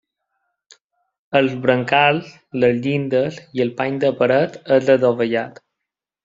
Els brancals, les llindes i el pany de paret és adovellat.